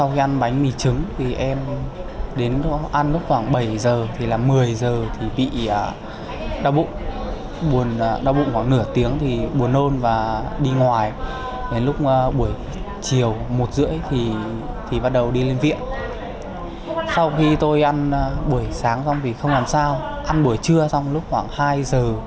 hãy đăng ký kênh để ủng hộ kênh của mình nhé